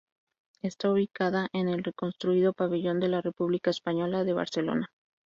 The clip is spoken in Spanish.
Está ubicada en el reconstruido Pabellón de la República Española de Barcelona.